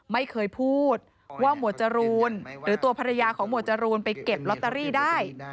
ไม่เคยพูดว่าหมวดจรูนหรือตัวภรรยาของหมวดจรูนไปเก็บลอตเตอรี่ได้